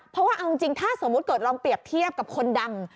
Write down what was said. เพราะว่าเอาจริงถ้าสมมุติเกิดลองเปรียบเทียบกับคนดัง